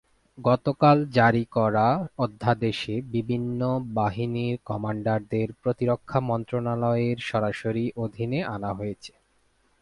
গতকাল জারি করা অধ্যাদেশে বিভিন্ন বাহিনীর কমান্ডারদের প্রতিরক্ষা মন্ত্রণালয়ের সরাসরি অধীনে আনা হয়েছে।